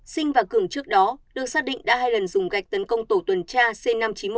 sinh và cường trước đó được xác định đã hai lần dùng gạch tấn công tổ tuần tra c năm nghìn chín trăm một mươi một